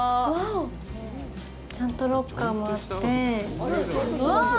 ちゃんとロッカーもあってうわ！